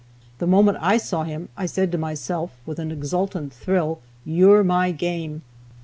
The moment I saw him, I said to myself, with an exultant thrill, "You're my game."